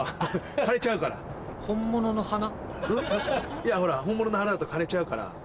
いやほら本物の花だと枯れちゃうからねっ。